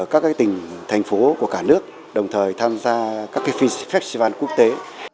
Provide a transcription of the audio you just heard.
các tỉnh thành phố của cả nước đồng thời tham gia các festival quốc tế